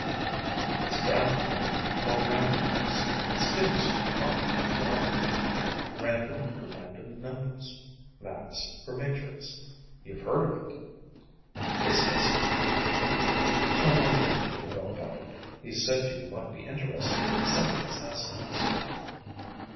"It's a gambling game, called Randomax. It's getting sort of popular in the army." "Random for random numbers, max for matrix?" "You've heard of it?" "Just guessing." "Tomar wanted you to know about it. He said you might be interested in some of its aspects."